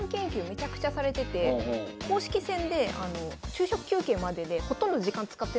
めちゃくちゃされてて公式戦で昼食休憩まででほとんど時間使ってないんですよ。